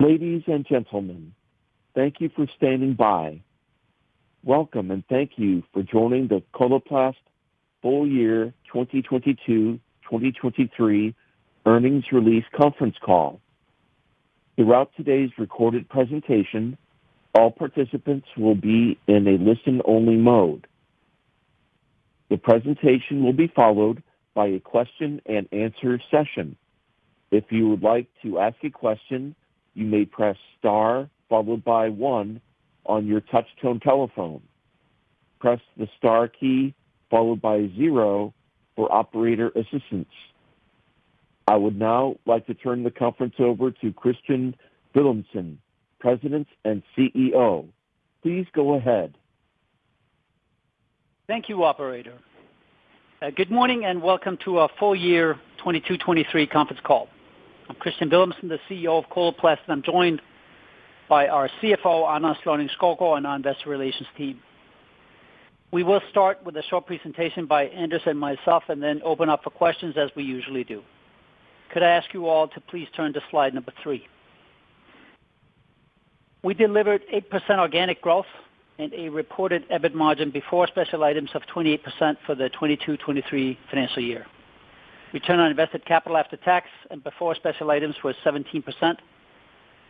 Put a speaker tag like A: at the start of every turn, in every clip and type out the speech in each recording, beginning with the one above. A: Ladies and gentlemen, thank you for standing by. Welcome, and thank you for joining the Coloplast Full Year 2022/2023 Earnings Release Conference Call. Throughout today's recorded presentation, all participants will be in a listen-only mode. The presentation will be followed by a question-and-answer session. If you would like to ask a question, you may press star followed by one on your touchtone telephone. Press the star key followed by zero for operator assistance. I would now like to turn the conference over to Kristian Villumsen, President and CEO. Please go ahead.
B: Thank you, operator. Good morning, and welcome to our full year 2022/2023 conference call. I'm Kristian Villumsen, the CEO of Coloplast, and I'm joined by our CFO, Anders Lønning-Skovgaard, and our investor relations team. We will start with a short presentation by Anders and myself and then open up for questions as we usually do. Could I ask you all to please turn to slide number 3? We delivered 8% organic growth and a reported EBIT margin before special items of 28% for the 2022/2023 financial year. Return on invested capital after tax and before special items was 17%,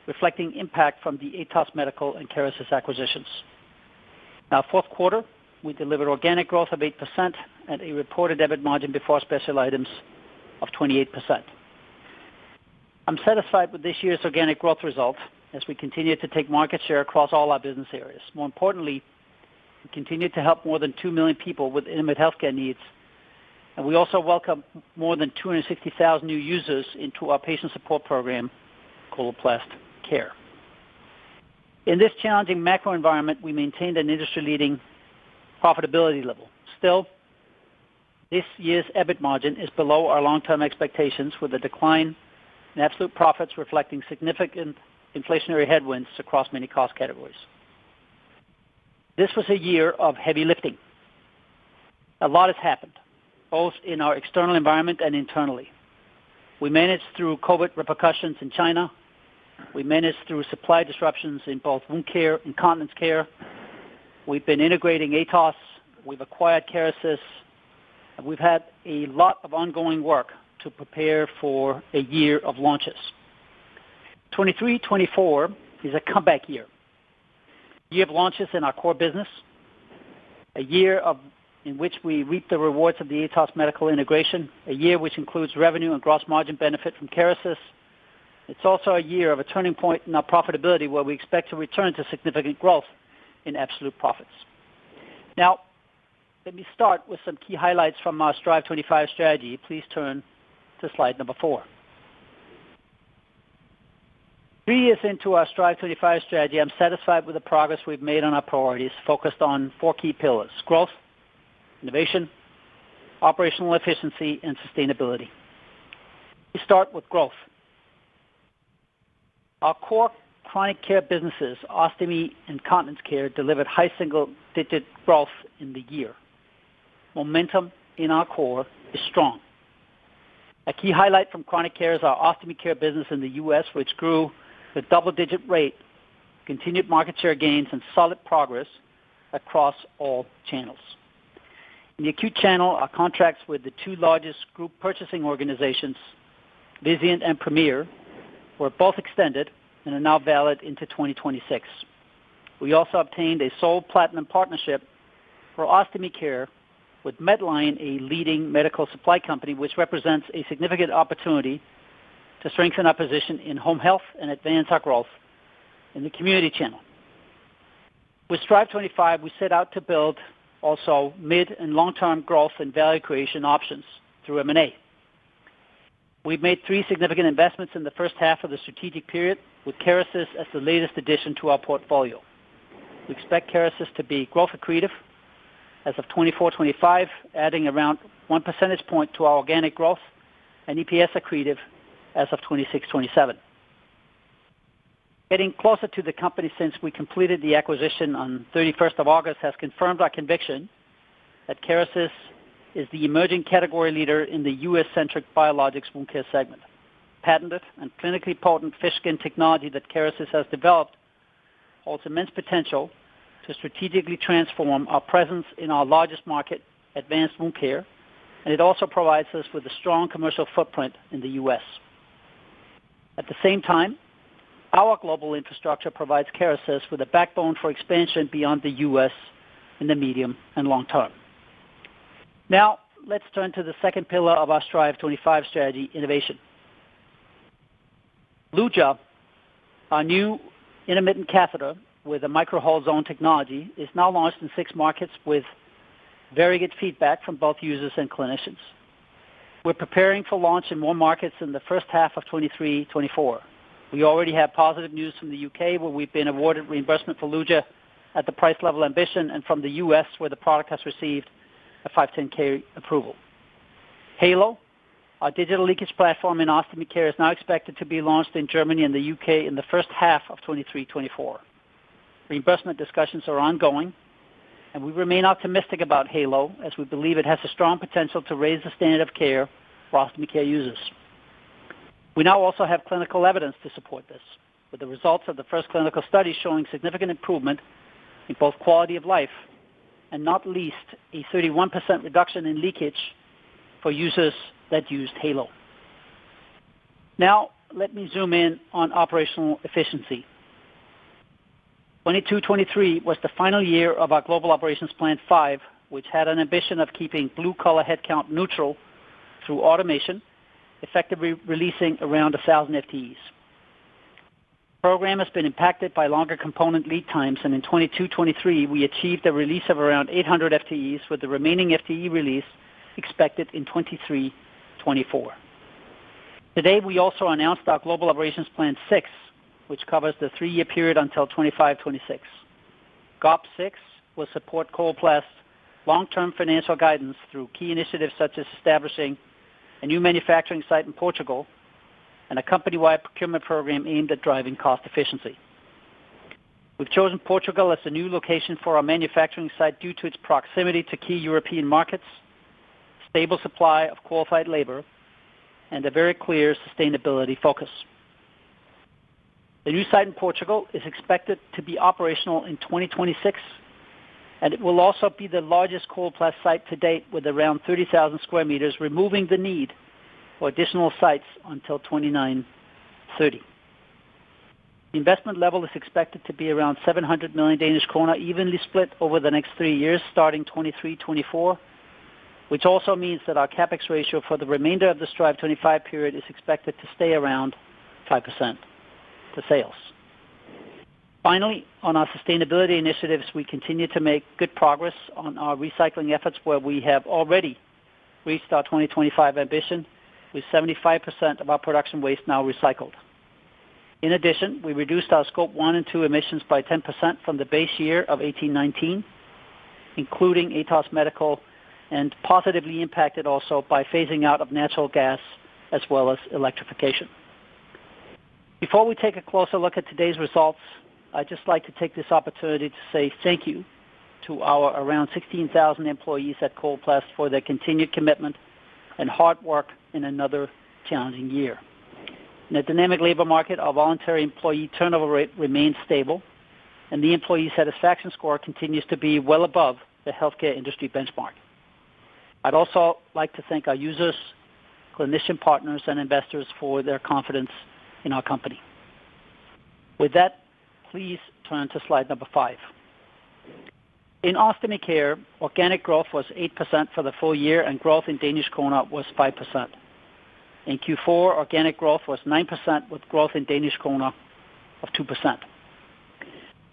B: reflecting impact from the Atos Medical and Kerecis acquisitions. Now, fourth quarter, we delivered organic growth of 8% and a reported EBIT margin before special items of 28%. I'm satisfied with this year's organic growth result as we continue to take market share across all our business areas. More importantly, we continued to help more than 2 million people with intimate healthcare needs, and we also welcome more than 260,000 new users into our patient support program, Coloplast Care. In this challenging macro environment, we maintained an industry-leading profitability level. Still, this year's EBIT margin is below our long-term expectations, with a decline in absolute profits reflecting significant inflationary headwinds across many cost categories. This was a year of heavy lifting. A lot has happened, both in our external environment and internally. We managed through COVID repercussions in China. We managed through supply disruptions in both wound care and continence care. We've been integrating Atos, we've acquired Kerecis, and we've had a lot of ongoing work to prepare for a year of launches. 2023/2024 is a comeback year. Year of launches in our core business, a year of, in which we reap the rewards of the Atos Medical integration, a year which includes revenue and gross margin benefit from Kerecis. It's also a year of a turning point in our profitability, where we expect to return to significant growth in absolute profits. Now, let me start with some key highlights from our Strive25 strategy. Please turn to slide number 4. Three years into our Strive25 strategy, I'm satisfied with the progress we've made on our priorities, focused on four key pillars: growth, innovation, operational efficiency, and sustainability. We start with growth. Our core chronic care businesses, ostomy and continence care, delivered high single-digit growth in the year. Momentum in our core is strong. A key highlight from chronic care is our ostomy care business in the U.S., which grew with double-digit rate, continued market share gains and solid progress across all channels. In the acute channel, our contracts with the two largest group purchasing organizations, Vizient and Premier, were both extended and are now valid into 2026. We also obtained a sole platinum partnership for ostomy care with Medline, a leading medical supply company, which represents a significant opportunity to strengthen our position in home health and advance our growth in the community channel. With Strive25, we set out to build also mid and long-term growth and value creation options through M&A. We've made three significant investments in the first half of the strategic period, with Kerecis as the latest addition to our portfolio. We expect Kerecis to be growth accretive as of 2024/25, adding around one percentage point to our organic growth and EPS accretive as of 2026/27. Getting closer to the company since we completed the acquisition on 31st of August has confirmed our conviction that Kerecis is the emerging category leader in the U.S.-centric biologics wound care segment. Patented and clinically potent fish skin technology that Kerecis has developed holds immense potential to strategically transform our presence in our largest market, Advanced Wound Care, and it also provides us with a strong commercial footprint in the U.S. At the same time, our global infrastructure provides Kerecis with a backbone for expansion beyond the U.S. in the medium and long term. Now, let's turn to the second pillar of our Strive25 strategy: innovation. Luja, our new intermittent catheter with Micro-hole Zone Technology, is now launched in six markets with very good feedback from both users and clinicians. We're preparing for launch in more markets in the first half of 2023/2024. We already have positive news from the U.K., where we've been awarded reimbursement for Luja at the price level ambition, and from the U.S., where the product has received a 510(k) approval. Heylo, our digital leakage platform in ostomy care, is now expected to be launched in Germany and the U.K. in the first half of 2023/2024. Reimbursement discussions are ongoing, and we remain optimistic about Heylo, as we believe it has a strong potential to raise the standard of care for ostomy care users. We now also have clinical evidence to support this, with the results of the first clinical study showing significant improvement in both quality of life and, not least, a 31% reduction in leakage for users that used Heylo. Now let me zoom in on operational efficiency. 2022/23 was the final year of our Global Operations Plan 5, which had an ambition of keeping blue-collar headcount neutral through automation, effectively releasing around 1,000 FTEs. Program has been impacted by longer component lead times, and in 2022/23, we achieved a release of around 800 FTEs, with the remaining FTE release expected in 2023/24. Today, we also announced our Global Operations Plan 6, which covers the three-year period until 2025/26. GOP6 will support Coloplast's long-term financial guidance through key initiatives, such as establishing a new manufacturing site in Portugal and a company-wide procurement program aimed at driving cost efficiency. We've chosen Portugal as a new location for our manufacturing site due to its proximity to key European markets, stable supply of qualified labor, and a very clear sustainability focus. The new site in Portugal is expected to be operational in 2026, and it will also be the largest Coloplast site to date, with around 30,000 square meters, removing the need for additional sites until 2029, 2030. Investment level is expected to be around 700 million Danish krone, evenly split over the next three years, starting 2023, 2024, which also means that our CapEx ratio for the remainder of the Strive25 period is expected to stay around 5% to sales. Finally, on our sustainability initiatives, we continue to make good progress on our recycling efforts, where we have already reached our 2025 ambition, with 75% of our production waste now recycled. In addition, we reduced our Scope 1 and 2 emissions by 10% from the base year of 2018-2019, including Atos Medical, and positively impacted also by phasing out of natural gas as well as electrification. Before we take a closer look at today's results, I'd just like to take this opportunity to say thank you to our around 16,000 employees at Coloplast for their continued commitment and hard work in another challenging year. In a dynamic labor market, our voluntary employee turnover rate remains stable, and the employee satisfaction score continues to be well above the healthcare industry benchmark. I'd also like to thank our users, clinician partners, and investors for their confidence in our company. With that, please turn to slide number 5. In Ostomy Care, organic growth was 8% for the full year and growth in Danish kroner was 5%. In Q4, organic growth was 9%, with growth in Danish kroner of 2%.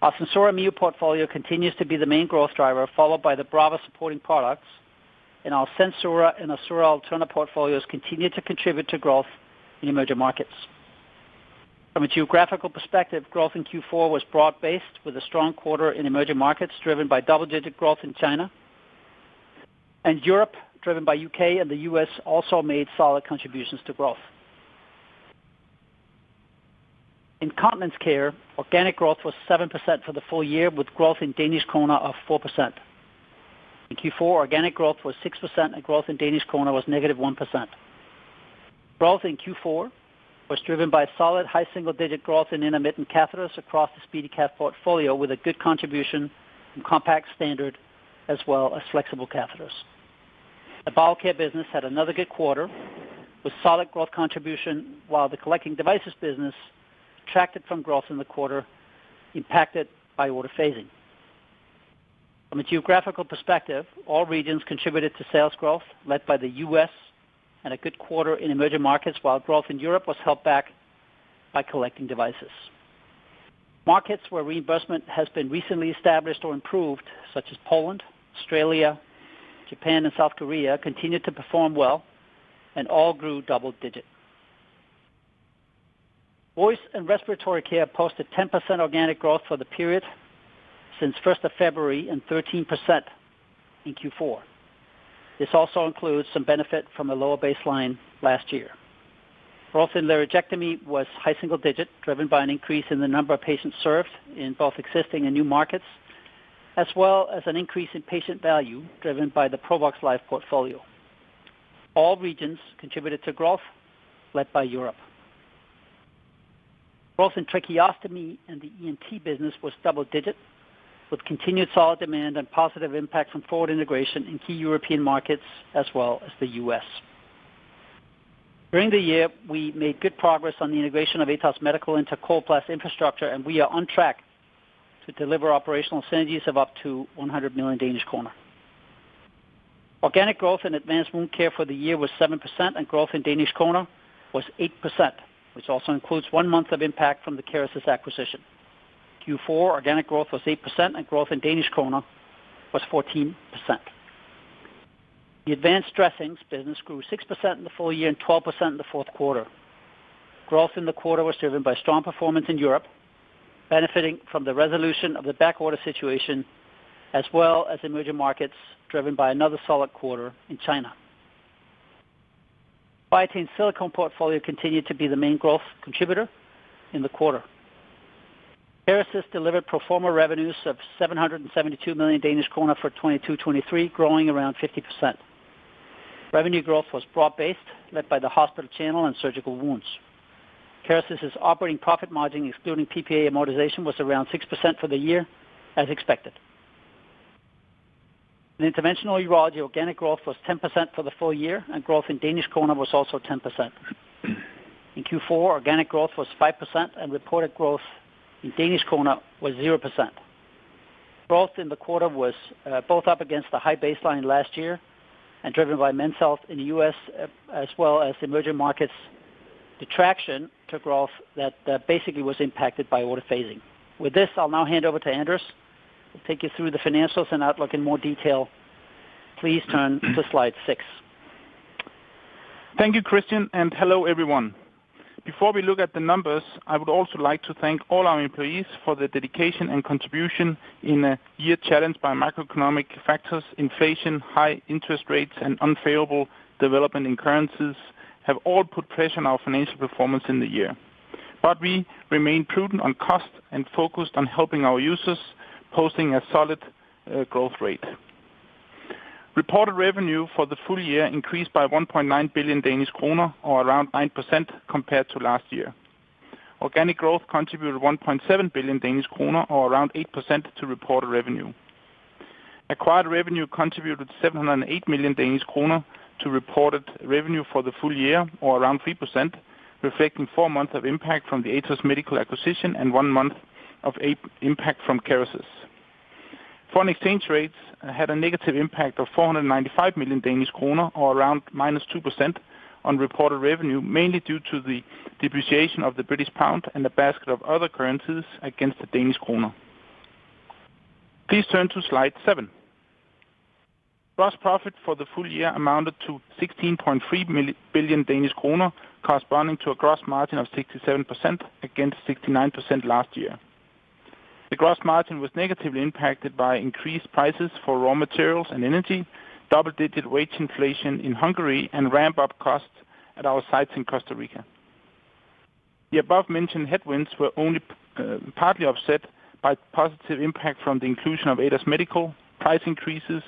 B: Our SenSura Mio portfolio continues to be the main growth driver, followed by the Brava supporting products, and our SenSura and Assura Alterna portfolios continue to contribute to growth in emerging markets. From a geographical perspective, growth in Q4 was broad-based, with a strong quarter in emerging markets, driven by double-digit growth in China. Europe, driven by U.K. and the U.S., also made solid contributions to growth. In continence Care, organic growth was 7% for the full year, with growth in Danish kroner of 4%. In Q4, organic growth was 6% and growth in Danish kroner was -1%. Growth in Q4 was driven by solid, high single-digit growth in intermittent catheters across the SpeediCath portfolio, with a good contribution from compact standard as well as flexible catheters. The bowel care business had another good quarter with solid growth contribution, while the collecting devices business detracted from growth in the quarter, impacted by order phasing. From a geographical perspective, all regions contributed to sales growth, led by the U.S. and a good quarter in emerging markets, while growth in Europe was held back by collecting devices. Markets where reimbursement has been recently established or improved, such as Poland, Australia, Japan, and South Korea, continued to perform well and all grew double-digit. Voice and Respiratory Care posted 10% organic growth for the period since first of February and 13% in Q4. This also includes some benefit from a lower baseline last year. Growth in laryngectomy was high single-digit, driven by an increase in the number of patients served in both existing and new markets, as well as an increase in patient value, driven by the Provox Life portfolio. All regions contributed to growth, led by Europe. Both in tracheostomy and the ENT business was double-digit, with continued solid demand and positive impact from forward integration in key European markets as well as the U.S. During the year, we made good progress on the integration of Atos Medical into Coloplast infrastructure, and we are on track to deliver operational synergies of up to 100 million Danish kroner. Organic growth in Advanced Wound Care for the year was 7%, and growth in Danish kroner was 8%, which also includes 1 month of impact from the Kerecis acquisition. Q4 organic growth was 8% and growth in DKK was 14%. The advanced dressings business grew 6% in the full year and 12% in the fourth quarter. Growth in the quarter was driven by strong performance in Europe, benefiting from the resolution of the backorder situation, as well as emerging markets, driven by another solid quarter in China.... Biatain Silicone portfolio continued to be the main growth contributor in the quarter. Kerecis delivered pro forma revenues of 772 million Danish krone for 2022, 2023, growing around 50%. Revenue growth was broad-based, led by the hospital channel and surgical wounds. Kerecis' operating profit margin, excluding PPA amortization, was around 6% for the year, as expected. In Interventional Urology, organic growth was 10% for the full year, and growth in DKK was also 10%. In Q4, organic growth was 5%, and reported growth in Danish kroner was 0%. Growth in the quarter was both up against the high baseline last year and driven by men's health in the U.S., as well as emerging markets. Detraction to growth that basically was impacted by order phasing. With this, I'll now hand over to Anders, who'll take you through the financials and outlook in more detail. Please turn to slide 6.
C: Thank you, Kristian, and hello, everyone. Before we look at the numbers, I would also like to thank all our employees for their dedication and contribution in a year challenged by macroeconomic factors, inflation, high interest rates, and unfavorable development in currencies, have all put pressure on our financial performance in the year. But we remain prudent on cost and focused on helping our users, posting a solid growth rate. Reported revenue for the full year increased by 1.9 billion Danish kroner, or around 9% compared to last year. Organic growth contributed 1.7 billion Danish kroner, or around 8% to reported revenue. Acquired revenue contributed 708 million Danish kroner to reported revenue for the full year, or around 3%, reflecting 4 months of impact from the Atos Medical acquisition and 1 month of an impact from Kerecis. Foreign exchange rates had a negative impact of 495 million Danish kroner, or around -2% on reported revenue, mainly due to the depreciation of the British pound and a basket of other currencies against the Danish kroner. Please turn to slide 7. Gross profit for the full year amounted to 16.3 billion Danish kroner, corresponding to a gross margin of 67%, against 69% last year. The gross margin was negatively impacted by increased prices for raw materials and energy, double-digit wage inflation in Hungary, and ramp-up costs at our sites in Costa Rica. The above-mentioned headwinds were only partly offset by positive impact from the inclusion of Atos Medical, price increases,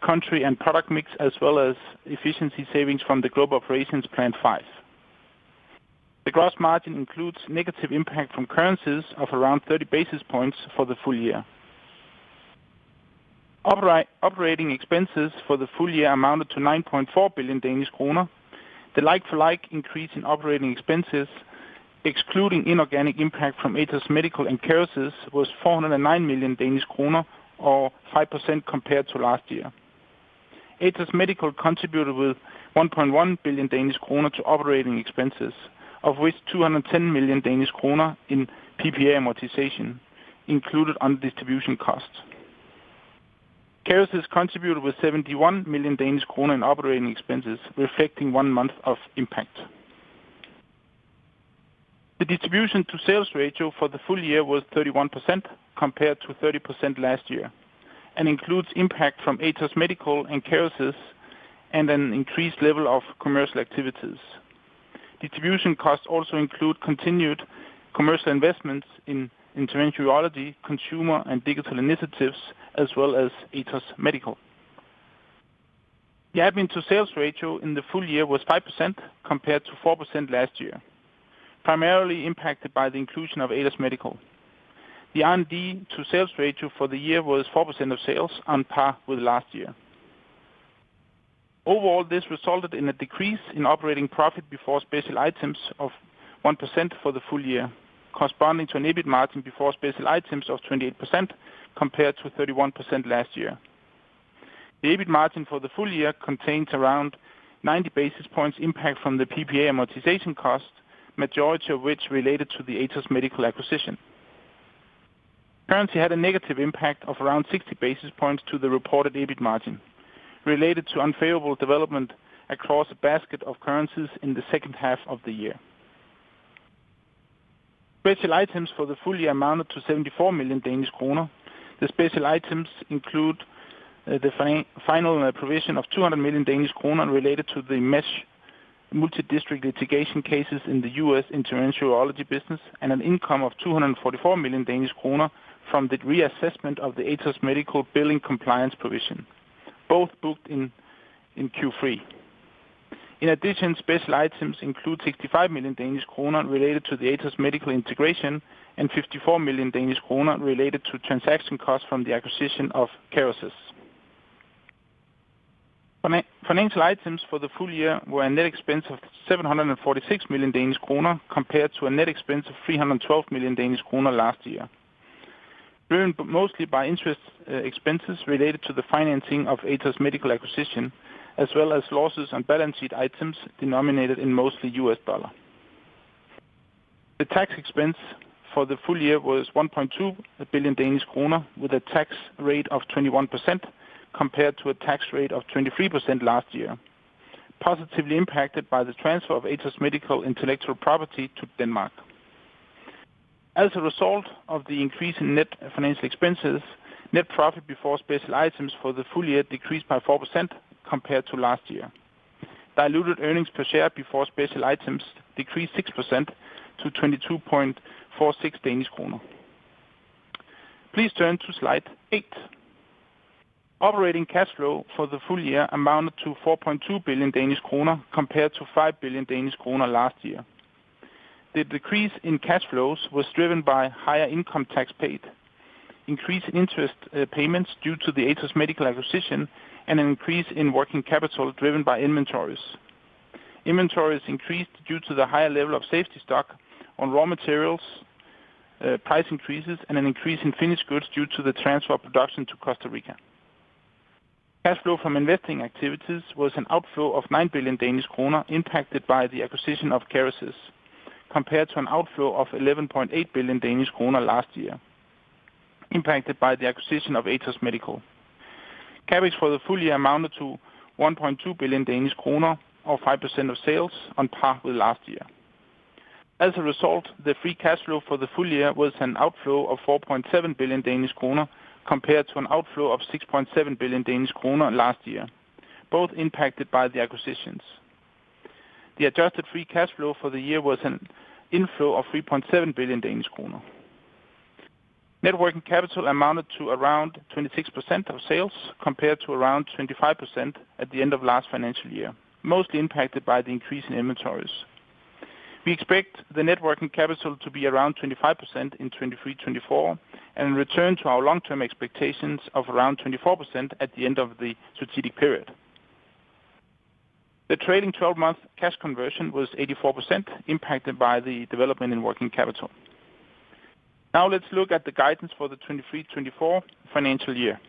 C: country and product mix, as well as efficiency savings from the Global Operations Plan 5. The gross margin includes negative impact from currencies of around 30 basis points for the full year. Operating expenses for the full year amounted to 9.4 billion Danish kroner. The like-for-like increase in operating expenses, excluding inorganic impact from Atos Medical and Kerecis, was 409 million Danish kroner, or 5% compared to last year. Atos Medical contributed with 1.1 billion Danish kroner to operating expenses, of which 210 million Danish kroner in PPA amortization included on distribution costs. Kerecis contributed with 71 million Danish kroner in operating expenses, reflecting one month of impact. The distribution to sales ratio for the full year was 31%, compared to 30% last year, and includes impact from Atos Medical and Kerecis, and an increased level of commercial activities. Distribution costs also include continued commercial investments in Interventional Urology, consumer and digital initiatives, as well as Atos Medical. The admin to sales ratio in the full year was 5%, compared to 4% last year, primarily impacted by the inclusion of Atos Medical. The R&D to sales ratio for the year was 4% of sales, on par with last year. Overall, this resulted in a decrease in operating profit before special items of 1% for the full year, corresponding to an EBIT margin before special items of 28%, compared to 31% last year. The EBIT margin for the full year contains around 90 basis points impact from the PPA amortization cost, majority of which related to the Atos Medical acquisition. Currency had a negative impact of around 60 basis points to the reported EBIT margin, related to unfavorable development across a basket of currencies in the second half of the year. Special items for the full year amounted to 74 million Danish kroner. The special items include the final provision of 200 million Danish kroner related to the mesh multi-district litigation cases in the US Interventional Urology business, and an income of 244 million Danish kroner from the reassessment of the Atos Medical billing compliance provision, both booked in Q3. In addition, special items include 65 million Danish kroner related to the Atos Medical integration and 54 million Danish kroner related to transaction costs from the acquisition of Kerecis. Financial items for the full year were a net expense of 746 million Danish kroner, compared to a net expense of 312 million Danish kroner last year. Driven mostly by interest expenses related to the financing of Atos Medical acquisition, as well as losses on balance sheet items denominated in mostly US dollar. The tax expense for the full year was 1.2 billion Danish kroner, with a tax rate of 21%, compared to a tax rate of 23% last year. Positively impacted by the transfer of Atos Medical intellectual property to Denmark.... As a result of the increase in net financial expenses, net profit before special items for the full year decreased by 4% compared to last year. Diluted earnings per share before special items decreased 6% to 22.46 Danish kroner. Please turn to slide 8. Operating cash flow for the full year amounted to 4.2 billion Danish kroner, compared to 5 billion Danish kroner last year. The decrease in cash flows was driven by higher income tax paid, increased interest payments due to the Atos Medical acquisition, and an increase in working capital, driven by inventories. Inventories increased due to the higher level of safety stock on raw materials, price increases, and an increase in finished goods due to the transfer of production to Costa Rica. Cash flow from investing activities was an outflow of 9 billion Danish kroner, impacted by the acquisition of Kerecis, compared to an outflow of 11.8 billion Danish kroner last year, impacted by the acquisition of Atos Medical. CapEx for the full year amounted to 1.2 billion Danish kroner, or 5% of sales, on par with last year. As a result, the free cash flow for the full year was an outflow of 4.7 billion Danish kroner, compared to an outflow of 6.7 billion Danish kroner last year, both impacted by the acquisitions. The adjusted free cash flow for the year was an inflow of 3.7 billion Danish kroner. Net working capital amounted to around 26% of sales, compared to around 25% at the end of last financial year, mostly impacted by the increase in inventories. We expect the net working capital to be around 25% in 2023, 2024, and return to our long-term expectations of around 24% at the end of the strategic period. The trailing twelve-month cash conversion was 84%, impacted by the development in working capital. Now let's look at the guidance for the 2023-2024 financial year.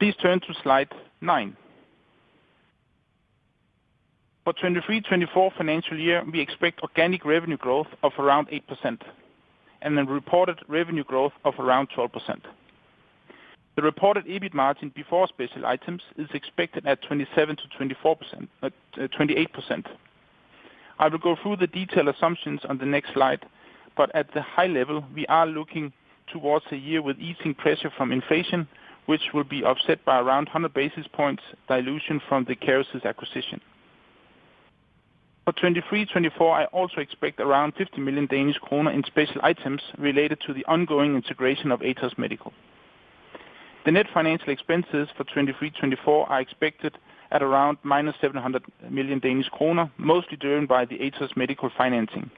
C: Please turn to slide 9. For 2023-2024 financial year, we expect organic revenue growth of around 8% and a reported revenue growth of around 12%. The reported EBIT margin before special items is expected at 27%-28%. I will go through the detailed assumptions on the next slide, but at the high level, we are looking towards a year with easing pressure from inflation, which will be offset by around 100 basis points dilution from the Kerecis acquisition. For 2023-2024, I also expect around 50 million Danish kroner in special items related to the ongoing integration of Atos Medical. The net financial expenses for 2023-2024 are expected at around -700 million Danish kroner, mostly driven by the Atos Medical financing.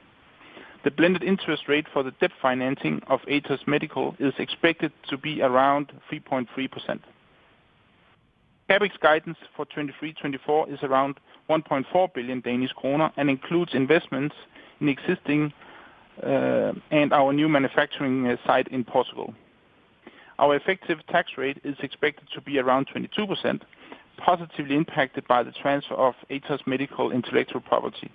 C: The blended interest rate for the debt financing of Atos Medical is expected to be around 3.3%. CapEx guidance for 2023-2024 is around 1.4 billion Danish kroner and includes investments in existing and our new manufacturing site in Portugal. Our effective tax rate is expected to be around 22%, positively impacted by the transfer of Atos Medical intellectual property.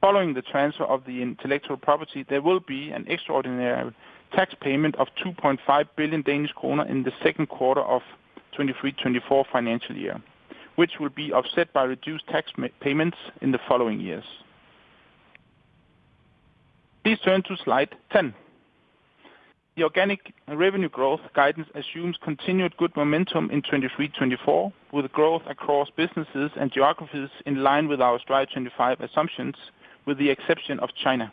C: Following the transfer of the intellectual property, there will be an extraordinary tax payment of 2.5 billion Danish kroner in the second quarter of 2023-2024 financial year, which will be offset by reduced tax payments in the following years. Please turn to slide 10. The organic revenue growth guidance assumes continued good momentum in 2023-2024, with growth across businesses and geographies in line with our Strive25 assumptions, with the exception of China.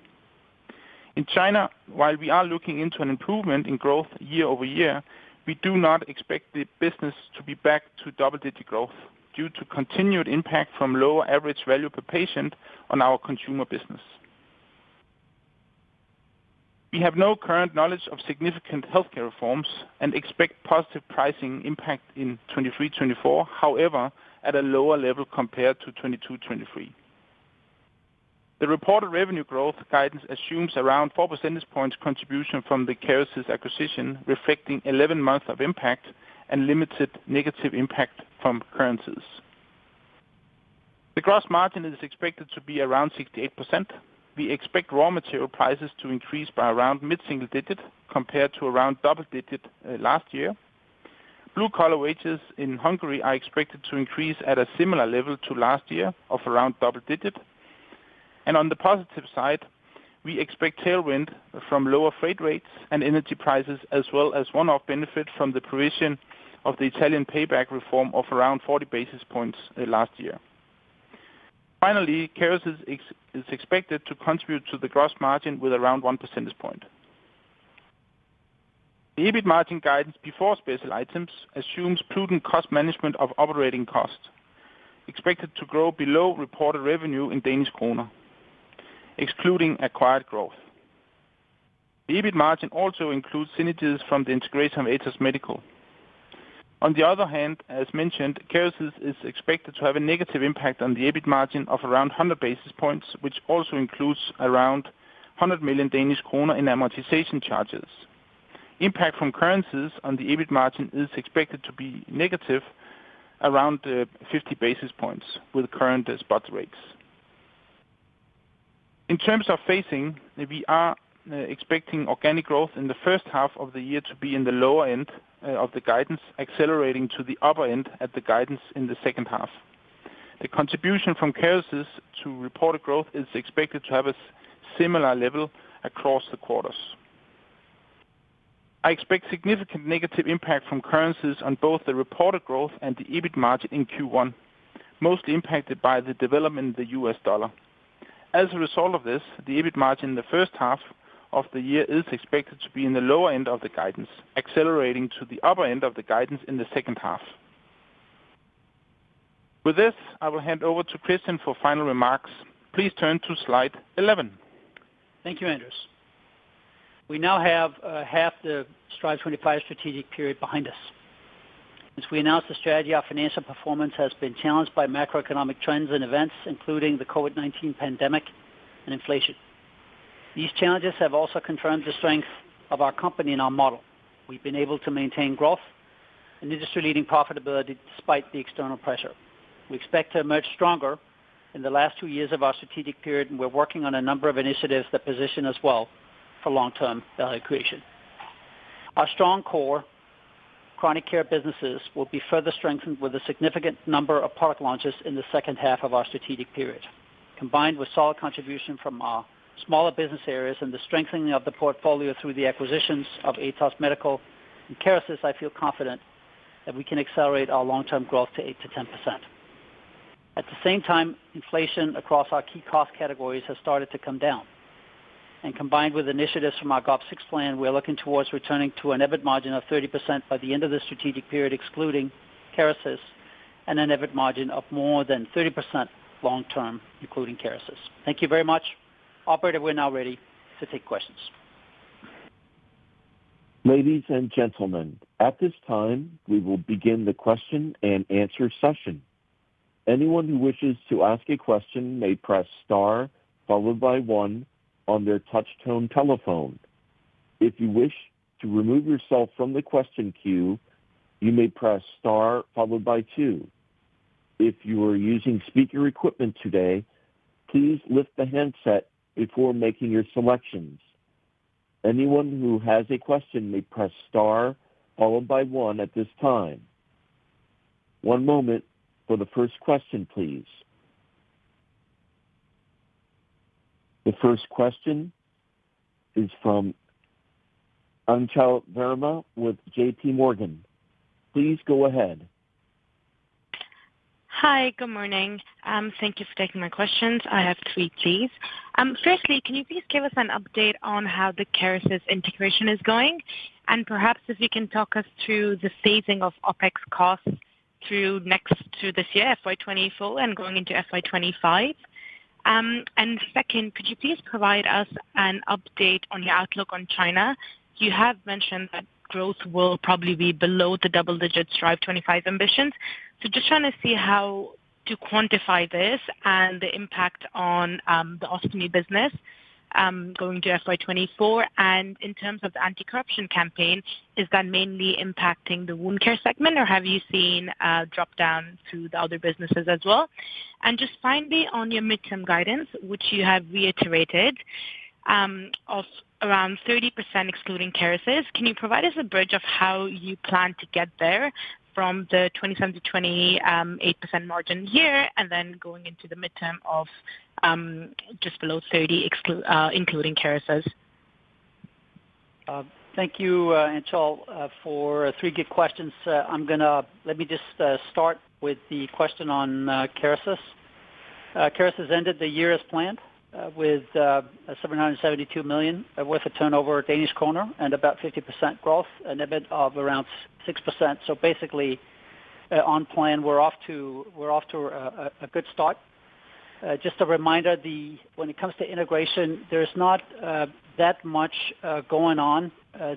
C: In China, while we are looking into an improvement in growth year-over-year, we do not expect the business to be back to double-digit growth due to continued impact from lower average value per patient on our consumer business. We have no current knowledge of significant healthcare reforms and expect positive pricing impact in 2023-2024. However, at a lower level compared to 2022-2023. The reported revenue growth guidance assumes around 4 percentage points contribution from the Kerecis acquisition, reflecting 11 months of impact and limited negative impact from currencies. The gross margin is expected to be around 68%. We expect raw material prices to increase by around mid-single digit, compared to around double digit, last year. Blue collar wages in Hungary are expected to increase at a similar level to last year, of around double digit. And on the positive side, we expect tailwind from lower freight rates and energy prices, as well as one-off benefit from the provision of the Italian payback reform of around 40 basis points, last year. Finally, Kerecis is expected to contribute to the gross margin with around 1 percentage point. The EBIT margin guidance before special items assumes prudent cost management of operating costs, expected to grow below reported revenue in Danish kroner, excluding acquired growth. The EBIT margin also includes synergies from the integration of Atos Medical. On the other hand, as mentioned, Kerecis is expected to have a negative impact on the EBIT margin of around 100 basis points, which also includes around 100 million Danish kroner in amortization charges. Impact from currencies on the EBIT margin is expected to be negative around 50 basis points with current spot rates. In terms of phasing, we are expecting organic growth in the first half of the year to be in the lower end of the guidance, accelerating to the upper end at the guidance in the second half. The contribution from Kerecis to reported growth is expected to have a similar level across the quarters. I expect significant negative impact from currencies on both the reported growth and the EBIT margin in Q1, mostly impacted by the development in the U.S. dollar. As a result of this, the EBIT margin in the first half of the year is expected to be in the lower end of the guidance, accelerating to the upper end of the guidance in the second half. With this, I will hand over to Kristian for final remarks. Please turn to slide 11.
B: Thank you, Anders. We now have half the Strive25 strategic period behind us. As we announced the strategy, our financial performance has been challenged by macroeconomic trends and events, including the COVID-19 pandemic and inflation. These challenges have also confirmed the strength of our company and our model. We've been able to maintain growth and industry-leading profitability despite the external pressure. We expect to emerge stronger in the last two years of our strategic period, and we're working on a number of initiatives that position us well for long-term value creation. Our strong core chronic care businesses will be further strengthened with a significant number of product launches in the second half of our strategic period, combined with solid contribution from our smaller business areas and the strengthening of the portfolio through the acquisitions of Atos Medical and Kerecis. I feel confident that we can accelerate our long-term growth to 8%-10%. At the same time, inflation across our key cost categories has started to come down, and combined with initiatives from our GOP6 plan, we are looking towards returning to an EBIT margin of 30% by the end of the strategic period, excluding Kerecis, and an EBIT margin of more than 30% long term, including Kerecis. Thank you very much. Operator, we're now ready to take questions.
A: Ladies and gentlemen, at this time, we will begin the question and answer session. Anyone who wishes to ask a question may press star followed by one on their touch tone telephone. If you wish to remove yourself from the question queue, you may press star followed by two. If you are using speaker equipment today, please lift the handset before making your selections. Anyone who has a question may press star followed by one at this time. One moment for the first question, please. The first question is from Aanchal Verma with JP Morgan. Please go ahead.
D: Hi, good morning. Thank you for taking my questions. I have three, please. Firstly, can you please give us an update on how the Kerecis integration is going? And perhaps if you can talk us through the phasing of OpEx costs through next to this year, FY 2024, and going into FY 2025. And second, could you please provide us an update on your outlook on China? You have mentioned that growth will probably be below the double digits Strive25 ambitions. So just trying to see how to quantify this and the impact on, the ostomy business, going to FY 2024. And in terms of the anti-corruption campaign, is that mainly impacting the wound care segment, or have you seen a drop down to the other businesses as well? Just finally, on your midterm guidance, which you have reiterated, of around 30%, excluding Kerecis, can you provide us a bridge of how you plan to get there from the 27%-28% margin here, and then going into the midterm of just below 30% including Kerecis?
B: Thank you, Aanchal, for three good questions. I'm gonna. Let me just start with the question on Kerecis. Kerecis ended the year as planned, with 772 million worth of turnover at Danish kroner and about 50% growth, an EBIT of around 6%. So basically, on plan, we're off to a good start. Just a reminder, when it comes to integration, there's not that much going on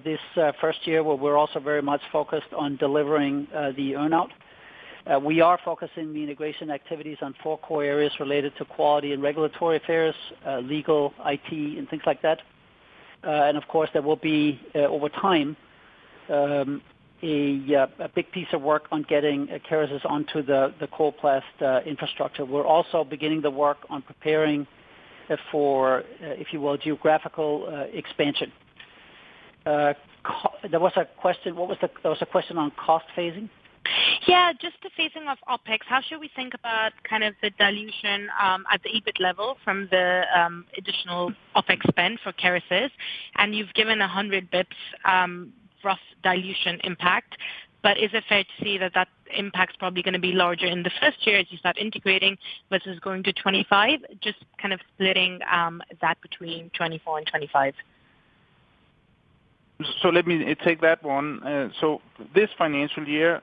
B: this first year, where we're also very much focused on delivering the earn out. We are focusing the integration activities on four core areas related to quality and regulatory affairs, legal, IT, and things like that. And of course, there will be, over time, a big piece of work on getting Kerecis onto the Coloplast infrastructure. We're also beginning the work on preparing for, if you will, geographical expansion. There was a question. What was the- there was a question on cost phasing?
D: Yeah, just the phasing of OpEx. How should we think about kind of the dilution at the EBIT level from the additional OpEx spend for Kerecis? And you've given 100 basis points rough dilution impact, but is it fair to say that that impact's probably gonna be larger in the first year as you start integrating versus going to 25? Just kind of splitting that between 24 and 25.
C: So let me take that one. This financial year,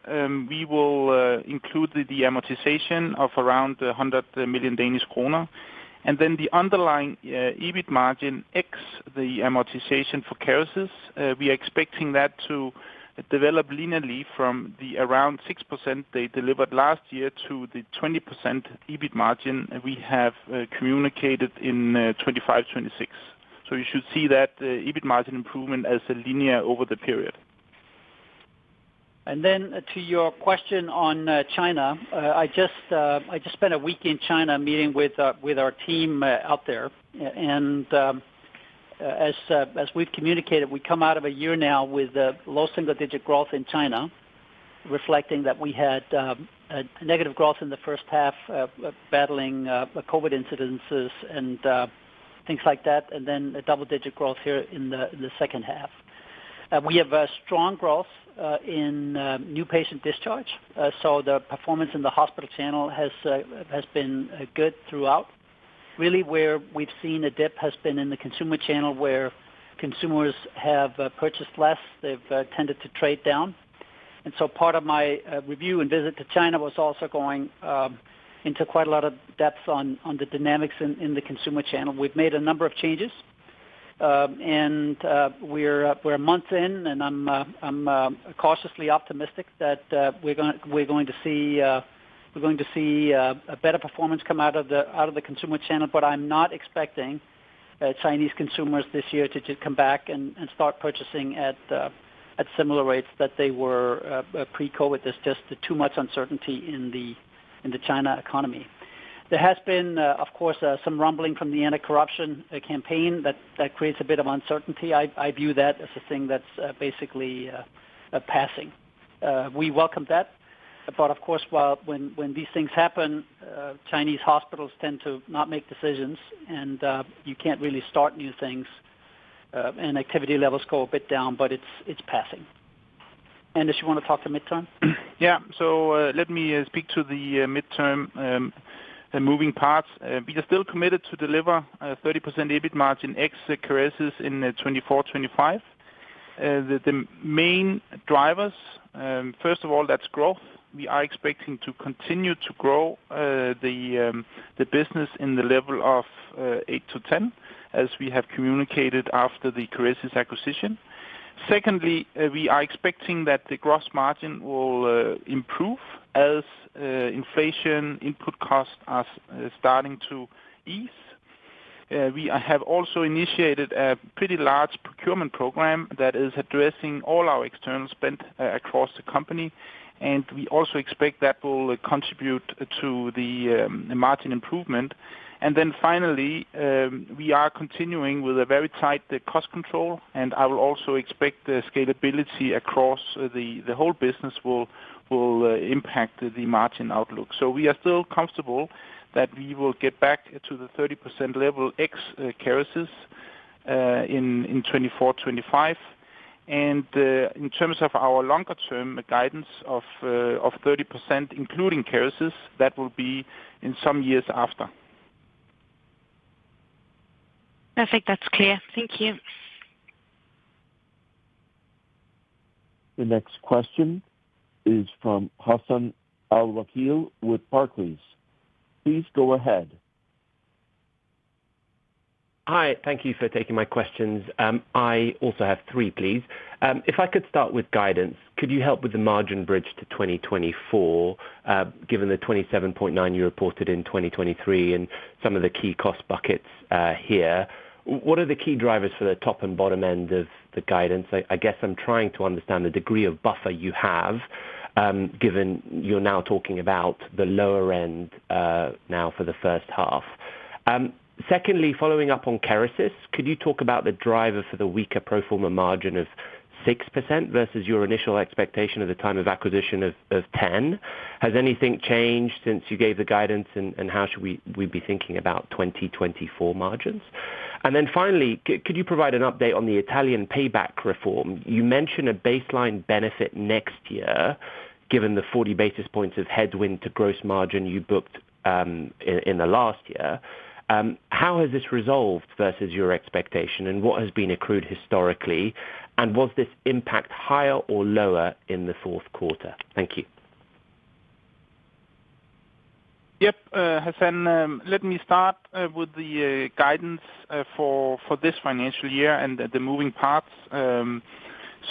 C: we will include the amortization of around 100 million Danish kroner, and then the underlying EBIT margin ex the amortization for Kerecis, we are expecting that to develop linearly from around 6% they delivered last year to the 20% EBIT margin we have communicated in 2025, 2026. You should see that EBIT margin improvement as linear over the period.
B: And then to your question on China. I just spent a week in China meeting with our team out there, and as we've communicated, we come out of a year now with low single digit growth in China, reflecting that we had a negative growth in the first half, battling COVID incidences and things like that, and then a double digit growth here in the second half. We have a strong growth in new patient discharge. So the performance in the hospital channel has been good throughout. Really, where we've seen a dip has been in the consumer channel, where consumers have purchased less, they've tended to trade down. So part of my review and visit to China was also going into quite a lot of depth on the dynamics in the consumer channel. We've made a number of changes, and we're months in, and I'm cautiously optimistic that we're going to see a better performance come out of the consumer channel. But I'm not expecting Chinese consumers this year to just come back and start purchasing at similar rates that they were pre-COVID. There's just too much uncertainty in the China economy. There has been, of course, some rumbling from the anti-corruption campaign that creates a bit of uncertainty. I view that as a thing that's basically a passing. We welcome that, but of course, well, when these things happen, Chinese hospitals tend to not make decisions, and you can't really start new things, and activity levels go a bit down, but it's passing. Anders, you wanna talk to midterm?
C: Yeah. So, let me speak to the midterm, the moving parts. We are still committed to deliver a 30% EBIT margin ex Kerecis in 2024, 2025. The main drivers, first of all, that's growth. We are expecting to continue to grow the business in the level of 8-10, as we have communicated after the Kerecis acquisition. Secondly, we are expecting that the gross margin will improve as inflation input costs are starting to ease. We have also initiated a pretty large procurement program that is addressing all our external spend across the company, and we also expect that will contribute to the margin improvement. Then finally, we are continuing with a very tight cost control, and I will also expect the scalability across the whole business will impact the margin outlook. So we are still comfortable that we will get back to the 30% level ex Kerecis in 2024, 2025. In terms of our longer term guidance of 30%, including Kerecis, that will be in some years after.
D: Perfect. That's clear. Thank you.
A: The next question is from Hassan Al-Wakeel with Barclays. Please go ahead.
E: Hi, thank you for taking my questions. I also have three, please. If I could start with guidance, could you help with the margin bridge to 2024, given the 27.9 you reported in 2023 and some of the key cost buckets here? What are the key drivers for the top and bottom end of the guidance? I guess I'm trying to understand the degree of buffer you have, given you're now talking about the lower end now for the first half. Secondly, following up on Kerecis, could you talk about the driver for the weaker pro forma margin of 6% versus your initial expectation at the time of acquisition of 10%? Has anything changed since you gave the guidance, and how should we be thinking about 2024 margins? And then finally, could you provide an update on the Italian payback reform? You mentioned a baseline benefit next year, given the 40 basis points of headwind to gross margin you booked, in the last year. How has this resolved versus your expectation, and what has been accrued historically, and was this impact higher or lower in the fourth quarter? Thank you.
C: Yep. Hassan, let me start with the guidance for this financial year and the moving parts.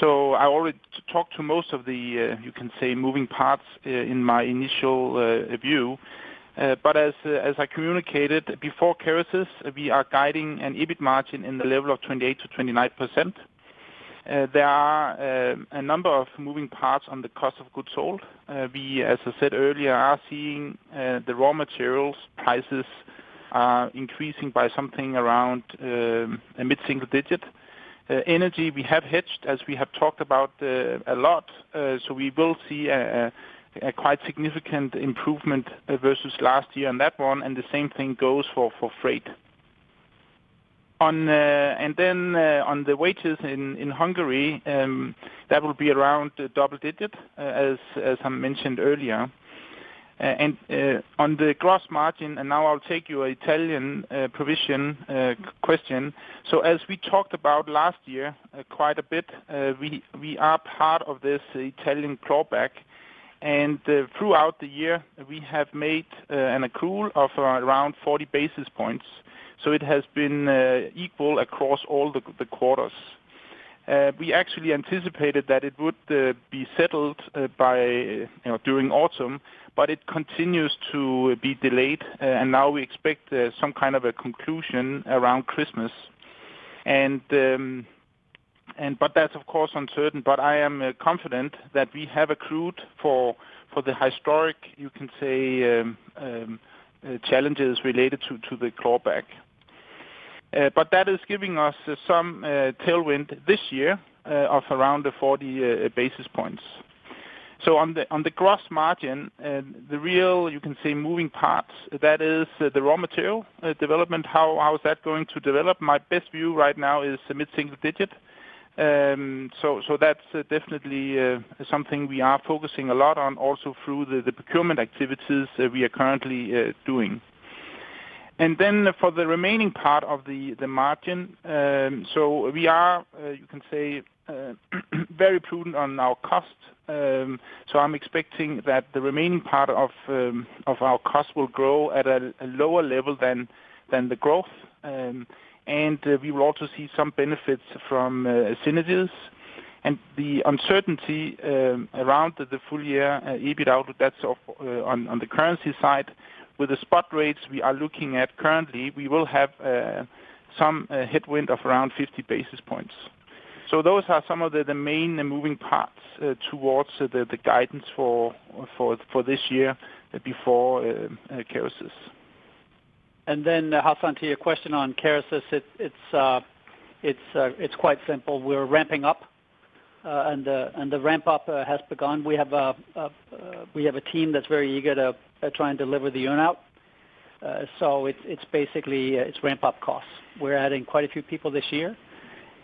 C: So I already talked to most of the, you can say, moving parts in my initial view. But as I communicated before Kerecis, we are guiding an EBIT margin in the level of 28%-29%. There are a number of moving parts on the cost of goods sold. We, as I said earlier, are seeing the raw materials prices increasing by something around a mid-single digit. Energy, we have hedged, as we have talked about a lot, so we will see a quite significant improvement versus last year on that one, and the same thing goes for freight. On... Then, on the wages in Hungary, that will be around double-digit, as I mentioned earlier. And, on the gross margin, now I'll take your Italian provision question. So as we talked about last year, quite a bit, we are part of this Italian clawback, and throughout the year, we have made an accrual of around 40 basis points, so it has been equal across all the quarters. We actually anticipated that it would be settled by, you know, during autumn, but it continues to be delayed, and now we expect some kind of a conclusion around Christmas. But that's, of course, uncertain. I am confident that we have accrued for the historic, you can say, challenges related to the clawback. But that is giving us some tailwind this year of around the 40 basis points. So on the gross margin, the real, you can say, moving parts, that is the raw material development. How is that going to develop? My best view right now is mid-single digit. So that's definitely something we are focusing a lot on, also through the procurement activities that we are currently doing. Then for the remaining part of the margin, so we are, you can say, very prudent on our cost. So I'm expecting that the remaining part of our cost will grow at a lower level than the growth. And we will also see some benefits from synergies. And the uncertainty around the full year EBITDA, that's on the currency side. With the spot rates we are looking at currently, we will have some headwind of around 50 basis points. So those are some of the main and moving parts towards the guidance for this year before Kerecis.
B: Then Hassan, to your question on Kerecis, it's quite simple. We're ramping up, and the ramp up has begun. We have a team that's very eager to try and deliver the earn-out. So it's basically ramp-up costs. We're adding quite a few people this year,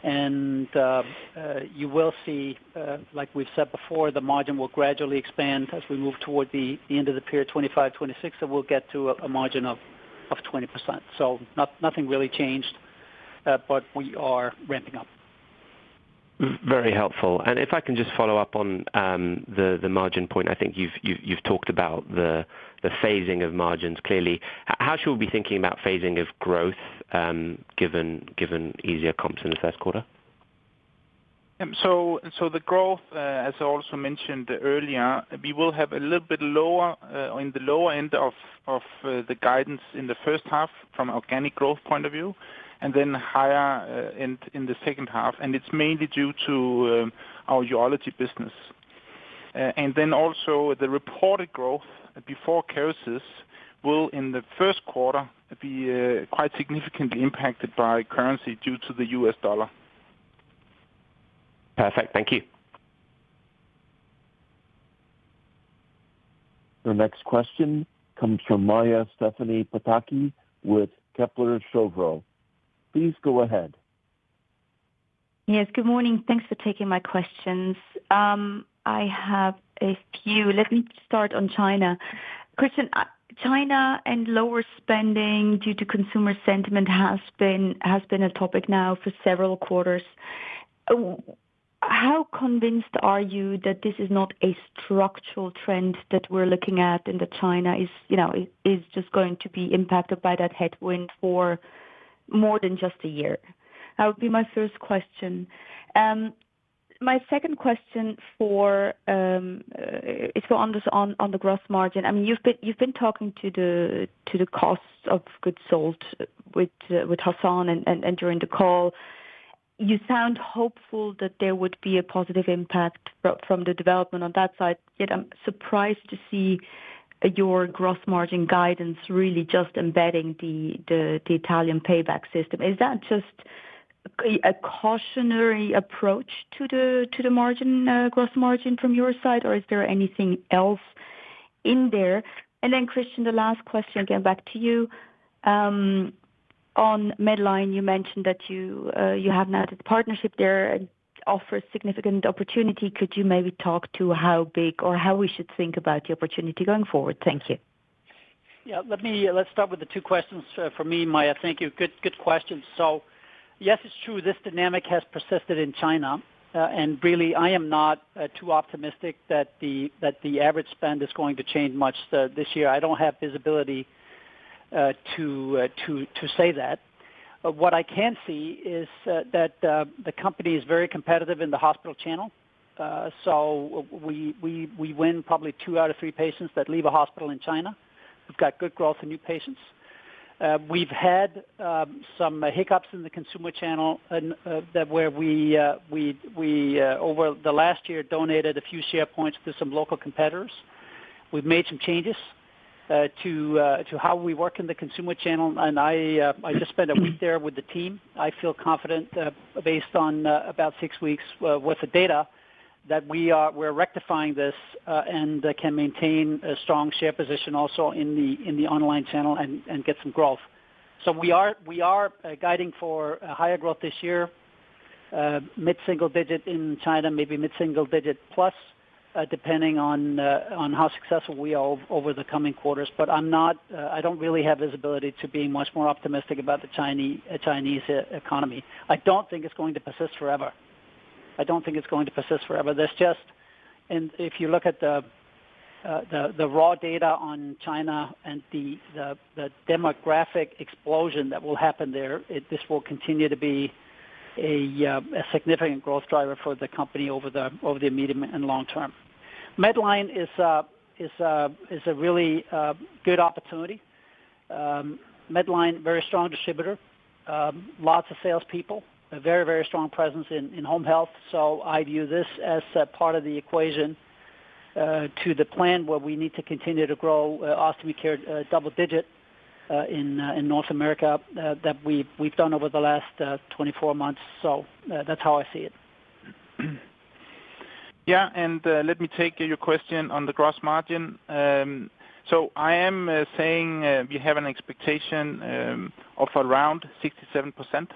B: and you will see, like we've said before, the margin will gradually expand as we move toward the end of the period 25, 26, and we'll get to a margin of 20%. So nothing really changed, but we are ramping up.
E: Very helpful. And if I can just follow up on the margin point, I think you've talked about the phasing of margins clearly. How should we be thinking about phasing of growth, given easier comps in the first quarter?
C: So, so the growth, as I also mentioned earlier, we will have a little bit lower, in the lower end of, of, the guidance in the first half from organic growth point of view, and then higher, in, in the second half, and it's mainly due to, our urology business. And then also the reported growth before Kerecis will, in the first quarter, be, quite significantly impacted by currency due to the US dollar.
E: Perfect. Thank you.
A: The next question comes from Maja Stephanie Pataki with Kepler Cheuvreux. Please go ahead.
F: Yes, good morning. Thanks for taking my questions. I have a few. Let me start on China. Kristian, China and lower spending due to consumer sentiment has been a topic now for several quarters. How convinced are you that this is not a structural trend that we're looking at, and that China is, you know, just going to be impacted by that headwind for more than just a year? That would be my first question. My second question is on the gross margin. I mean, you've been talking to the costs of goods sold with Hassan and during the call. You sound hopeful that there would be a positive impact from the development on that side, yet I'm surprised to see your gross margin guidance really just embedding the Italian payback system. Is that just a cautionary approach to the margin, gross margin from your side, or is there anything else in there? And then, Kristian, the last question, again, back to you. On Medline, you mentioned that you have now the partnership there and offers significant opportunity. Could you maybe talk to how big or how we should think about the opportunity going forward? Thank you.
B: Yeah, let me, let's start with the two questions for me, Maja. Thank you. Good, good questions. So yes, it's true, this dynamic has persisted in China, and really, I am not too optimistic that the average spend is going to change much this year. I don't have visibility to say that. But what I can see is that the company is very competitive in the hospital channel. So we win probably two out of three patients that leave a hospital in China. We've got good growth in new patients. We've had some hiccups in the consumer channel, and that where we over the last year, donated a few share points to some local competitors. We've made some changes to how we work in the consumer channel, and I just spent a week there with the team. I feel confident, based on about six weeks' worth of data, that we're rectifying this and can maintain a strong share position also in the online channel and get some growth. So we are guiding for higher growth this year, mid-single digit in China, maybe mid-single digit plus, depending on how successful we are over the coming quarters. But I'm not... I don't really have visibility to be much more optimistic about the Chinese economy. I don't think it's going to persist forever. I don't think it's going to persist forever. There's just, and if you look at the raw data on China and the demographic explosion that will happen there, this will continue to be a significant growth driver for the company over the medium and long term. Medline is a really good opportunity. Medline, very strong distributor, lots of salespeople, a very strong presence in home health. So I view this as a part of the equation to the plan where we need to continue to grow ostomy care double digit in North America that we've done over the last 24 months. So that's how I see it.
C: Yeah, and let me take your question on the gross margin. So I am saying we have an expectation of around 67%.